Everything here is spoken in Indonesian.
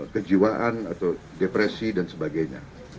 kejiwaan atau depresi dan sebagainya